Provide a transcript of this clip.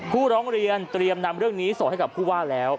ผู้ร้องเรียนเตรียมนำเรื่องนี้ส่งให้กับผู้ว่าแล้ว